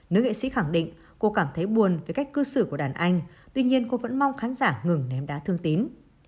nữ nghệ sĩ khẳng định cô cảm thấy buồn với cách cư xử của đàn anh tuy nhiên cô vẫn mong khán giả ngừng ném đá thương tín